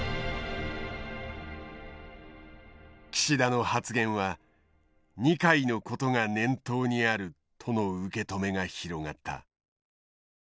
岸田の発言は二階のことが念頭にあるとの受け止めが広がった。